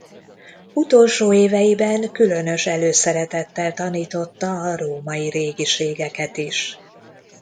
Utolsó éveiben különös előszeretettel tanította a római régiségeket is.